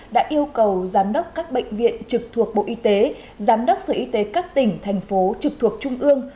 đã yêu cầu giám đốc các bệnh viện trực thuộc bộ y tế giám đốc sở y tế các tỉnh thành phố trực thuộc trung ương